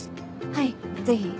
はいぜひ。